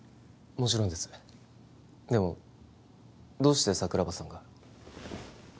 もちろんですでもどうして桜庭さんが？